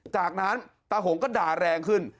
จากนั้นตาหงก็ด่าแรงขึ้น